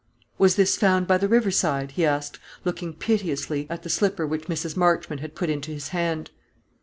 "Was this found by the river side?" he asked, looking piteously at the slipper which Mrs. Marchmont had put into his hand.